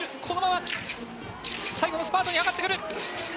このまま最後のスパートに上がってくる。